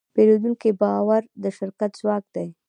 د پیرودونکي باور د شرکت ځواک دی.